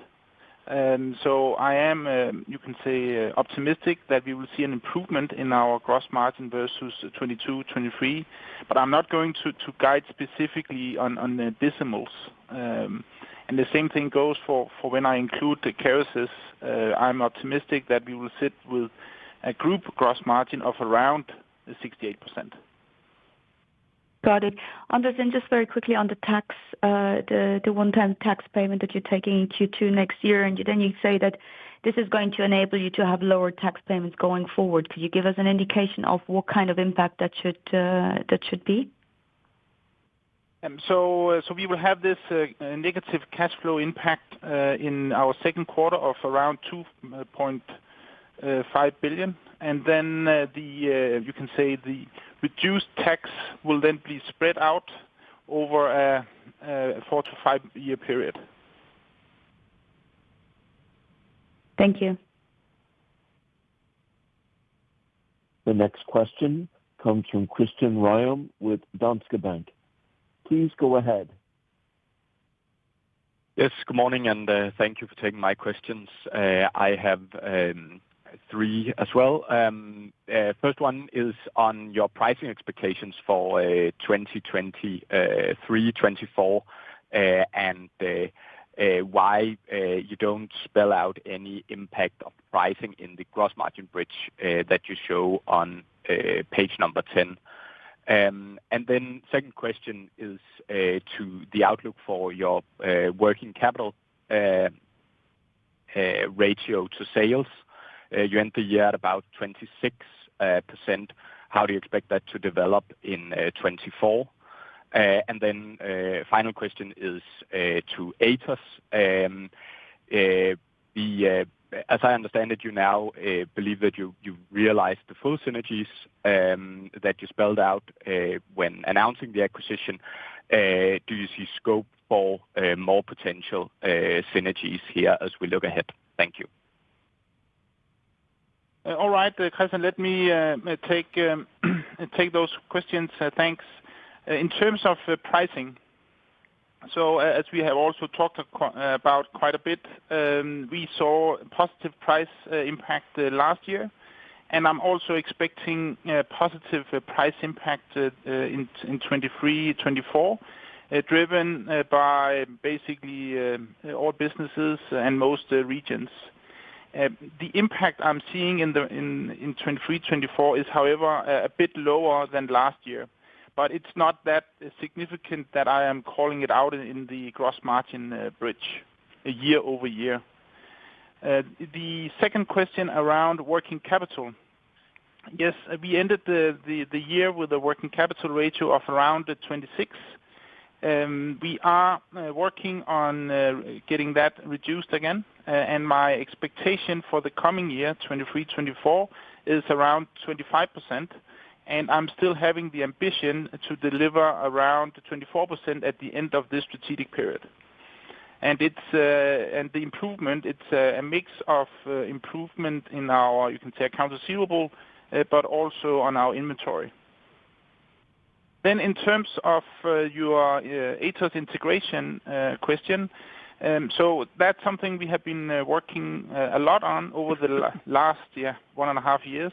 C: And so I am, you can say, optimistic that we will see an improvement in our gross margin versus 2022, 2023, but I'm not going to guide specifically on the decimals. And the same thing goes for when I include the Kerecis. I'm optimistic that we will sit with a group gross margin of around 68%.
F: Got it. Anders, and just very quickly on the tax, the one-time tax payment that you're taking Q2 next year, and then you say that this is going to enable you to have lower tax payments going forward. Could you give us an indication of what kind of impact that should be?
C: We will have this negative cash flow impact in our second quarter of around 2.5 billion. Then, you can say the reduced tax will then be spread out over a four- to five-year period.
F: Thank you.
A: The next question comes from Kristian Ryom with Danske Bank. Please go ahead.
G: Yes, good morning, and thank you for taking my questions. I have three as well. First one is on your pricing expectations for 2023, 2024, and why you don't spell out any impact of pricing in the gross margin bridge that you show on page 10. And then second question is to the outlook for your working capital ratio to sales. You end the year at about 26%. How do you expect that to develop in 2024? And then final question is to Atos. As I understand it, you now believe that you realized the full synergies that you spelled out when announcing the acquisition. Do you see scope for more potential synergies here as we look ahead? Thank you.
C: All right, kristian, let me take those questions. Thanks. In terms of pricing, so as we have also talked about quite a bit, we saw positive price impact last year, and I'm also expecting positive price impact in 2023-2024, driven by basically all businesses and most regions. The impact I'm seeing in 2023-2024 is, however, a bit lower than last year, but it's not that significant that I am calling it out in the gross margin bridge, year-over-year. The second question around working capital. Yes, we ended the year with a working capital ratio of around 26. We are working on getting that reduced again, and my expectation for the coming year, 2023-2024, is around 25%, and I'm still having the ambition to deliver around 24% at the end of this strategic period. And it's the improvement. It's a mix of improvement in our, you can say, accounts receivable, but also on our inventory. Then in terms of your Atos integration question, so that's something we have been working a lot on over the last one and a half years,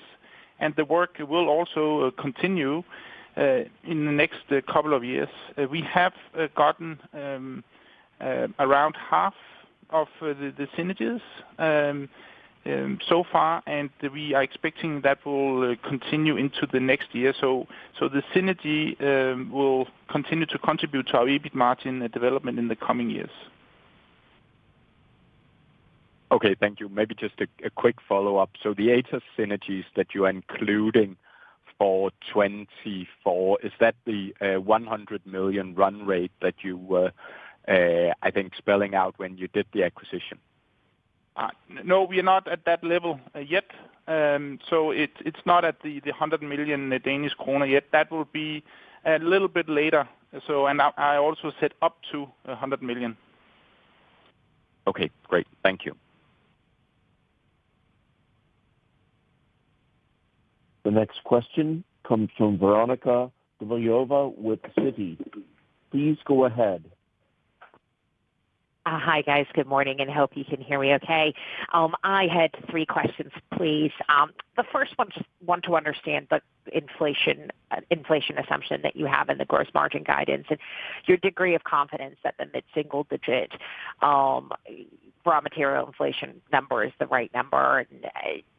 C: and the work will also continue in the next couple of years. We have gotten around half of the synergies so far, and we are expecting that will continue into the next year. So the synergy will continue to contribute to our EBIT margin development in the coming years.
G: Okay. Thank you. Maybe just a, a quick follow-up. So the Atos synergies that you're including for 2024, is that the 100 million run rate that you were I think spelling out when you did the acquisition?
C: No, we are not at that level yet. So it's not at 100 million Danish kroner yet. That will be a little bit later. So and I also said up to 100 million.
G: Okay, great. Thank you.
A: The next question comes from Veronika Dubajova with Citi. Please go ahead.
H: Hi, guys. Good morning, and hope you can hear me okay. I had three questions, please. The first one, want to understand the inflation, inflation assumption that you have in the gross margin guidance and your degree of confidence that the mid-single-digit raw material inflation number is the right number. And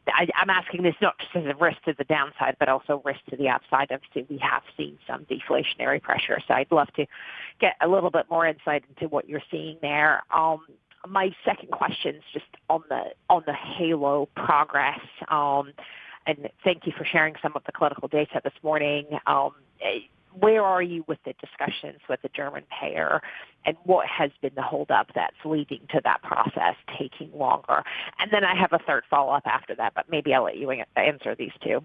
H: I, I'm asking this not just as a risk to the downside, but also risk to the upside. Obviously, we have seen some deflationary pressure, so I'd love to get a little bit more insight into what you're seeing there. My second question is just on the Heylo progress. And thank you for sharing some of the clinical data this morning. Where are you with the discussions with the German payer, and what has been the hold up that's leading to that process taking longer? And then I have a third follow-up after that, but maybe I'll let you answer these two.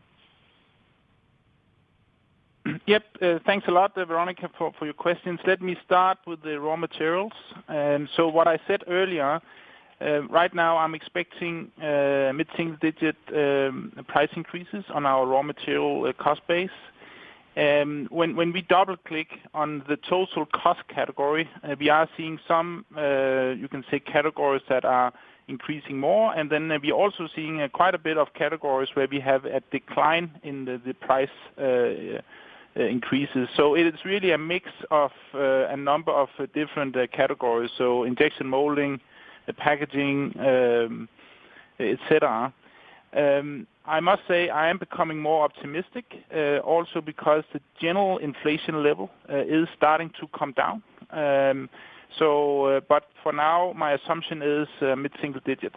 C: Yep, thanks a lot, Veronika, for your questions. Let me start with the raw materials. So what I said earlier, right now I'm expecting mid-single digit price increases on our raw material cost base. When we double click on the total cost category, we are seeing some categories that are increasing more, and then we're also seeing quite a bit of categories where we have a decline in the price increases. So it is really a mix of a number of different categories. So injection molding, the packaging, et cetera. I must say, I am becoming more optimistic also because the general inflation level is starting to come down. So, but for now, my assumption is mid-single digit.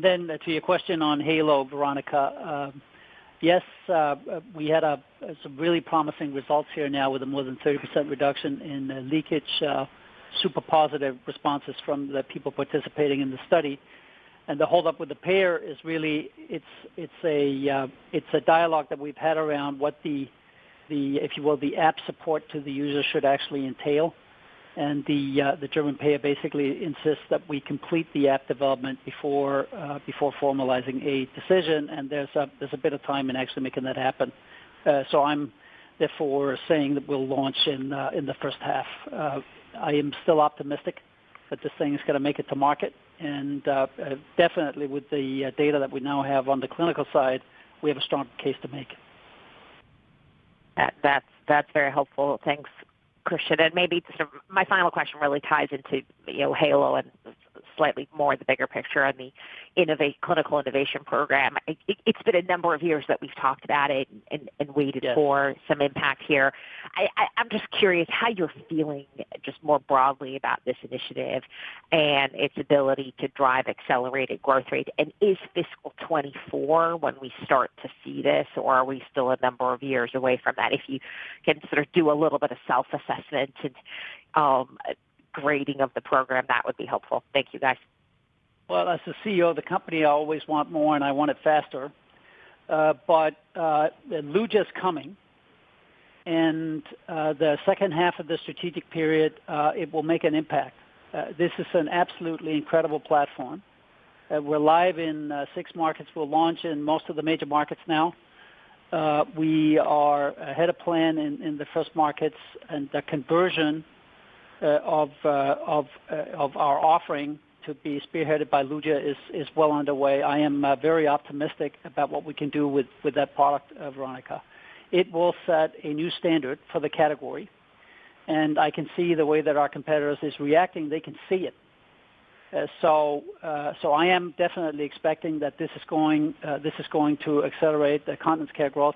B: To your question on Heylo, Veronika. Yes, we had some really promising results here now with a more than 30% reduction in leakage, super positive responses from the people participating in the study. And the hold up with the payer is really, it's a dialogue that we've had around what the if you will, the app support to the user should actually entail. And the German payer basically insists that we complete the app development before formalizing a decision, and there's a bit of time in actually making that happen. So I'm therefore saying that we'll launch in the first half. I am still optimistic that this thing is going to make it to market. Definitely with the data that we now have on the clinical side, we have a strong case to make.
H: That's very helpful. Thanks, kristian. And maybe just my final question really ties into, you know, Heylo and slightly more the bigger picture on the Innovate Clinical Innovation Program. It's been a number of years that we've talked about it and waited for-
B: Yes.
H: Some impact here. I'm just curious how you're feeling, just more broadly about this initiative and its ability to drive accelerated growth rate. And is fiscal 2024 when we start to see this, or are we still a number of years away from that? If you can sort of do a little bit of self-assessment and grading of the program, that would be helpful. Thank you, guys.
B: Well, as the CEO of the company, I always want more, and I want it faster. But, the Luja is coming, and, the second half of the strategic period, it will make an impact. This is an absolutely incredible platform. We're live in six markets. We'll launch in most of the major markets now. We are ahead of plan in the first markets, and the conversion of our offering to be spearheaded by Luja is well underway. I am very optimistic about what we can do with that product, Veronika. It will set a new standard for the category, and I can see the way that our competitors is reacting. They can see it. So, I am definitely expecting that this is going to accelerate the continence care growth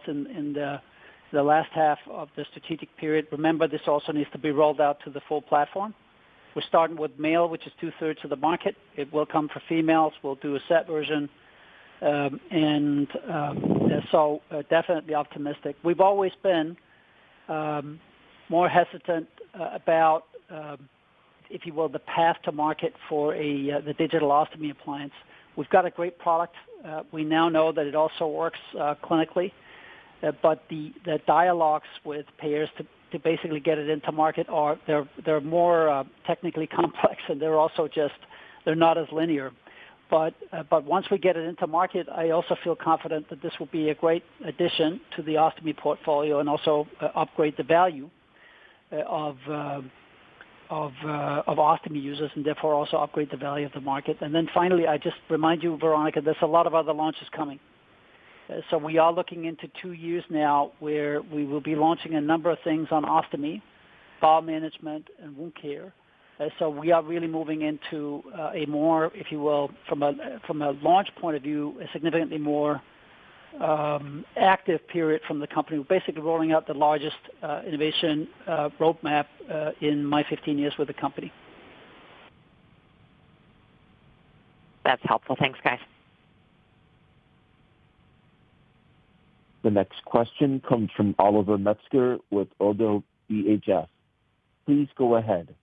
B: in the last half of the strategic period. Remember, this also needs to be rolled out to the full platform. We're starting with male, which is two-thirds of the market. It will come for females. We'll do a set version. And so definitely optimistic. We've always been more hesitant about, if you will, the path to market for the digital ostomy appliance. We've got a great product. We now know that it also works clinically, but the dialogues with payers to basically get it into market are... They're more technically complex, and they're also just not as linear. But once we get it into market, I also feel confident that this will be a great addition to the ostomy portfolio and also upgrade the value of ostomy users, and therefore also upgrade the value of the market. And then finally, I just remind you, Veronika, there's a lot of other launches coming. So we are looking into two years now, where we will be launching a number of things on ostomy, bowel management, and wound care. So we are really moving into a more, if you will, from a launch point of view, a significantly more active period from the company. We're basically rolling out the largest innovation roadmap in my 15 years with the company.
H: That's helpful. Thanks, guys.
A: The next question comes from Oliver Metzger with Oddo BHF. Please go ahead.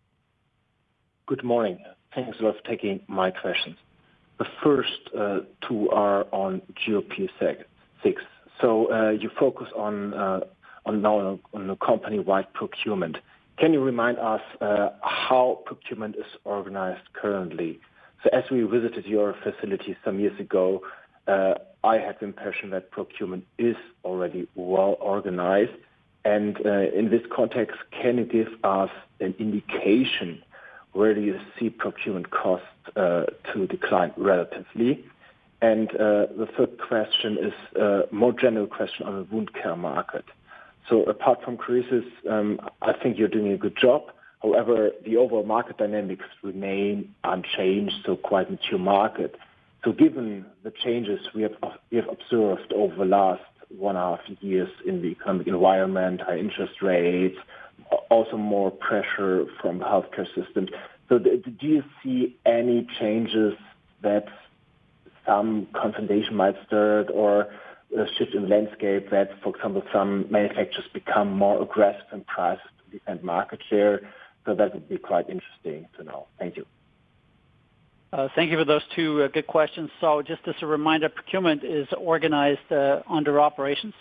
I: Good morning. Thanks for taking my questions. The first two are on GOP6. So, you focus on now on a company-wide procurement. Can you remind us, how procurement is organized currently? So as we visited your facility some years ago, I had the impression that procurement is already well organized. And, in this context, can you give us an indication, where do you see procurement costs to decline relatively? And, the third question is a more general question on the wound care market. So apart from crisis, I think you're doing a good job. However, the overall market dynamics remain unchanged, so quite mature market. So given the changes we have, we have observed over the last one and a half years in the economic environment, high interest rates, also more pressure from the healthcare system. Do you see any changes that some consolidation might stir or a shift in landscape that, for example, some manufacturers becoming more aggressive in price and market share? That would be quite interesting to know. Thank you.
B: ...Thank you for those two good questions. So just as a reminder, procurement is organized under operations.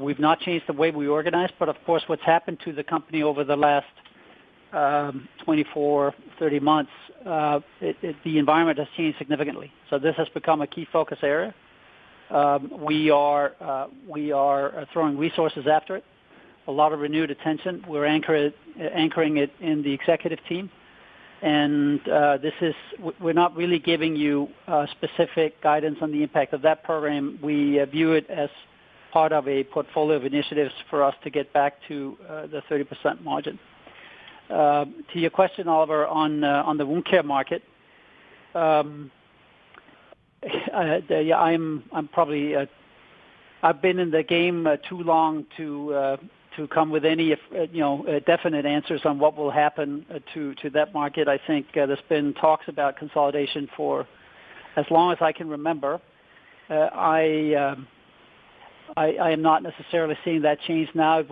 B: We've not changed the way we organize, but of course, what's happened to the company over the last 24-30 months, the environment has changed significantly. So this has become a key focus area. We are throwing resources after it, a lot of renewed attention. We're anchoring it in the executive team, and we're not really giving you specific guidance on the impact of that program. We view it as part of a portfolio of initiatives for us to get back to the 30% margin. To your question, Oliver, on the wound care market. Yeah, I'm, I'm probably I've been in the game too long to come with any, if, you know, definite answers on what will happen to that market. I think, there's been talks about consolidation for as long as I can remember. I, I am not necessarily seeing that change now.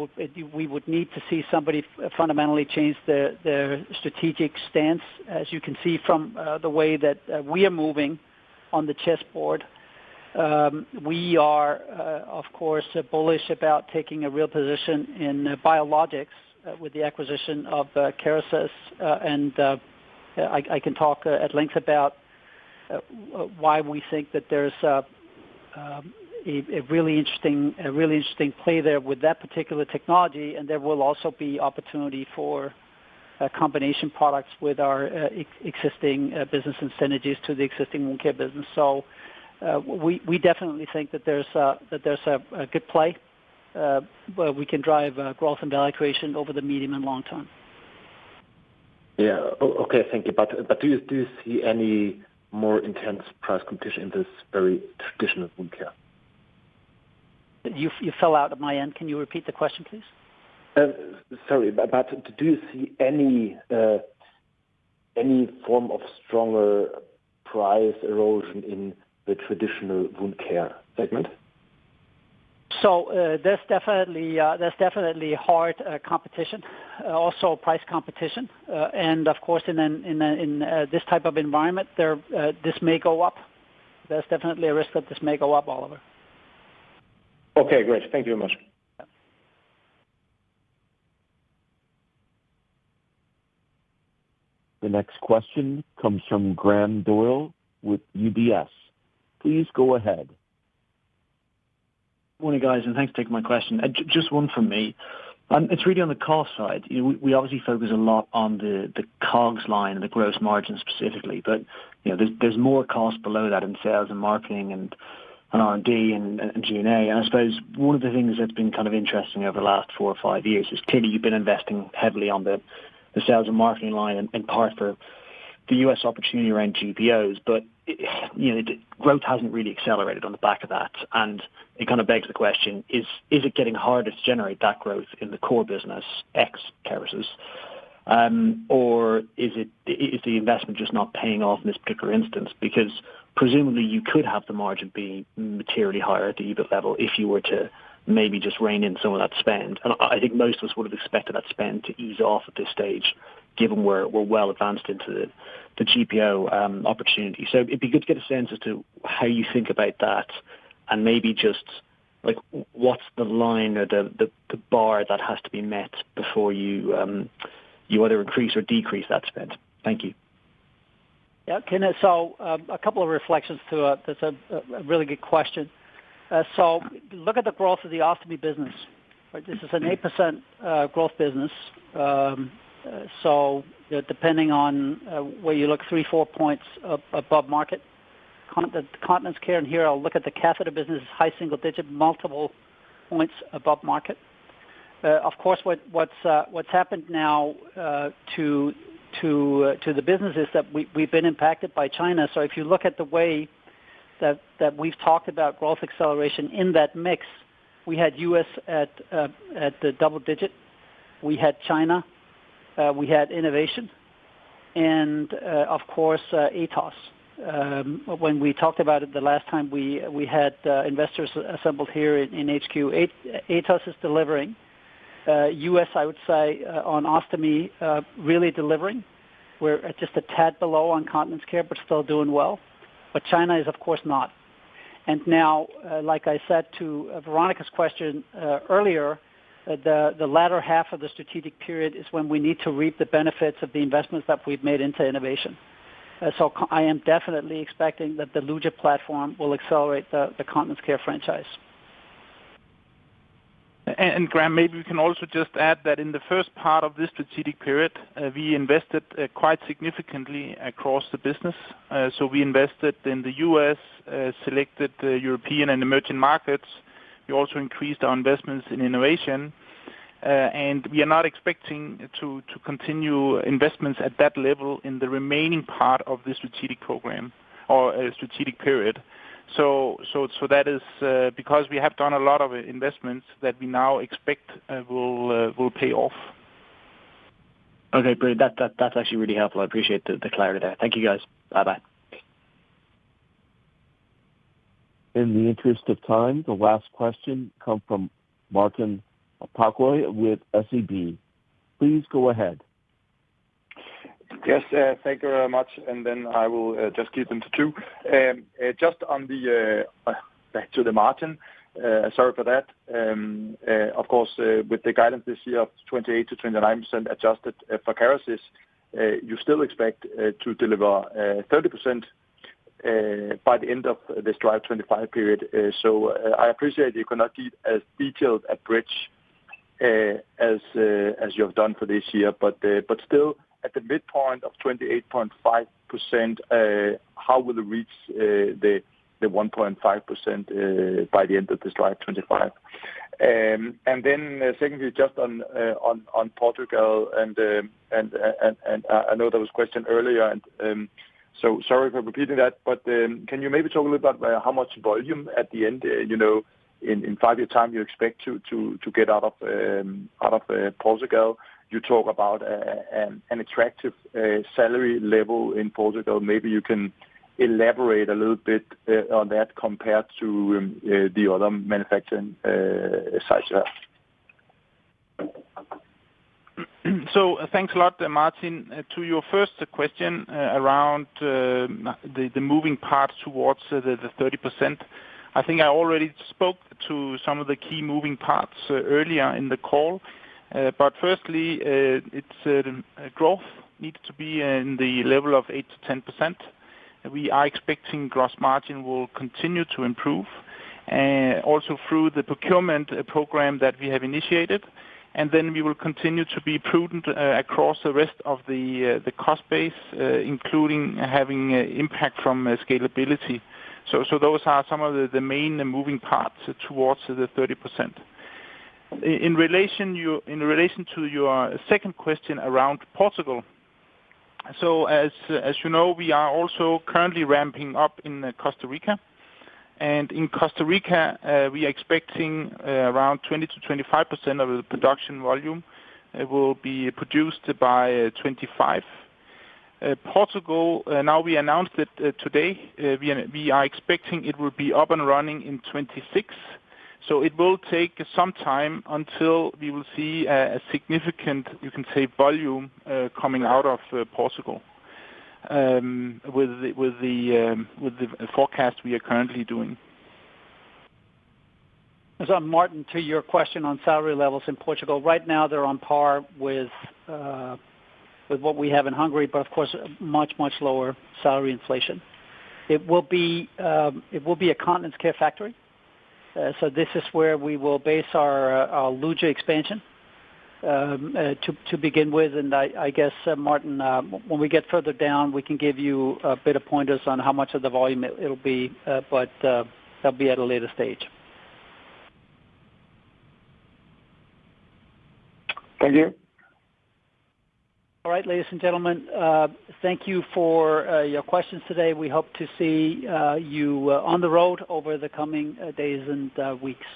B: We would need to see somebody fundamentally change their, their strategic stance. As you can see from the way that we are moving on the chessboard. We are, of course, bullish about taking a real position in biologics, with the acquisition of Kerecis, and I can talk at length about why we think that there's a, a really interesting, a really interesting play there with that particular technology, and there will also be opportunity for a combination products with our existing business and synergies to the existing wound care business. So, we definitely think that there's a, that there's a, a good play where we can drive growth and value creation over the medium and long term.
I: Yeah. Okay, thank you. But do you see any more intense price competition in this very traditional wound care?
B: You, you fell out at my end. Can you repeat the question, please?
I: Sorry, but do you see any form of stronger price erosion in the traditional wound care segment?
B: There's definitely hard competition, also price competition. Of course, in this type of environment, this may go up. There's definitely a risk that this may go up, Oliver.
I: Okay, great. Thank you very much.
A: The next question comes from Graham Doyle with UBS. Please go ahead.
J: Morning, guys, and thanks for taking my question. Just one from me. It's really on the cost side. We obviously focus a lot on the COGS line and the gross margin specifically, but, you know, there's more cost below that in sales and marketing and R&D and G&A. And I suppose one of the things that's been kind of interesting over the last four or five years is clearly you've been investing heavily on the sales and marketing line, in part for the U.S. opportunity around GPOs. But, you know, growth hasn't really accelerated on the back of that. And it kind of begs the question, is it getting harder to generate that growth in the core business, ex Kerecis? Or is the investment just not paying off in this particular instance? Because presumably you could have the margin being materially higher at the EBIT level if you were to maybe just rein in some of that spend. And I, I think most of us would have expected that spend to ease off at this stage, given we're, we're well advanced into the, the GPO, opportunity. So it'd be good to get a sense as to how you think about that, and maybe just, like, what's the line or the, the, the bar that has to be met before you, you either increase or decrease that spend? Thank you.
B: Yeah. Okay, so a couple of reflections. That's a really good question. So look at the growth of the ostomy business. Right? This is an 8% growth business. So depending on where you look, 3-4 points above market. The continence care, and here I'll look at the catheter business, is high single-digit, multiple points above market. Of course, what's happened now to the business is that we've been impacted by China. So if you look at the way that we've talked about growth acceleration in that mix, we had US at the double-digit. We had China, we had innovation, and of course, Atos. When we talked about it the last time, we had investors assembled here in HQ. Atos is delivering US, I would say, on ostomy, really delivering. We're at just a tad below on continence care, but still doing well. But China is, of course, not. And now, like I said to Veronika's question earlier, the latter half of the strategic period is when we need to reap the benefits of the investments that we've made into innovation. So I am definitely expecting that the Luja platform will accelerate the continence care franchise.
C: And Graham, maybe we can also just add that in the first part of this strategic period, we invested quite significantly across the business. So we invested in the U.S., selected the European and emerging markets. We also increased our investments in innovation, and we are not expecting to continue investments at that level in the remaining part of the strategic program or strategic period. So that is because we have done a lot of investments that we now expect will pay off.
J: Okay, great. That's actually really helpful. I appreciate the clarity there. Thank you, guys. Bye-bye.
A: ...In the interest of time, the last question comes from Martin Parkhøi with SEB. Please go ahead.
K: Yes, thank you very much, and then I will just keep them to two. Just on the back to the margin, sorry for that. Of course, with the guidance this year of 28%-29% adjusted for Kerecis, you still expect to deliver 30% by the end of this Strive25 period. So I appreciate you cannot give as detailed a bridge as you have done for this year, but still, at the midpoint of 28.5%, how will it reach the 1.5% by the end of this Strive25? Then secondly, just on Portugal, I know there was a question earlier, so sorry for repeating that, but can you maybe talk a little about how much volume at the end, you know, in five-year time you expect to get out of Portugal? You talk about an attractive salary level in Portugal. Maybe you can elaborate a little bit on that compared to the other manufacturing sites.
C: So thanks a lot, Martin. To your first question, around the moving parts towards the 30%. I think I already spoke to some of the key moving parts earlier in the call. But firstly, it's growth needs to be in the level of 8%-10%. We are expecting gross margin will continue to improve, also through the procurement program that we have initiated. And then we will continue to be prudent, across the rest of the cost base, including having impact from scalability. So those are some of the main moving parts towards the 30%. In relation to your second question around Portugal, so, as you know, we are also currently ramping up in Costa Rica, and in Costa Rica, we are expecting around 20-25% of the production volume will be produced by 2025. Portugal, now we announced it today, we are expecting it will be up and running in 2026. So it will take some time until we will see a significant, you can say, volume coming out of Portugal, with the forecast we are currently doing.
B: So Martin, to your question on salary levels in Portugal, right now they're on par with what we have in Hungary, but of course, much, much lower salary inflation. It will be, it will be a continence Care factory. So this is where we will base our Luja expansion to begin with. And I guess, Martin, when we get further down, we can give you a bit of pointers on how much of the volume it'll be, but that'll be at a later stage.
K: Thank you.
B: All right, ladies and gentlemen, thank you for your questions today. We hope to see you on the road over the coming days and weeks.